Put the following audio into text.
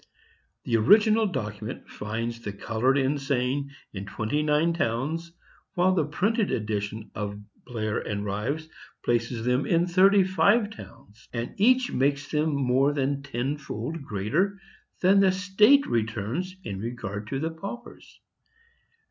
The original document finds the colored insane in twenty nine towns, while the printed edition of Blair and Rives places them in thirty five towns, and each makes them more than ten fold greater than the state returns in regard to the paupers.